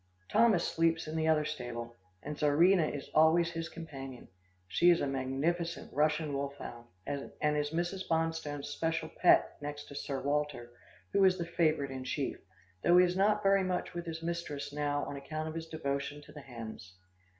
Thomas sleeps in the other stable, and Czarina is always his companion. She is a magnificent Russian wolfhound, and is Mrs. Bonstone's special pet, next to Sir Walter, who is the favourite in chief, though he is not very much with his mistress now on account of his devotion to the hens.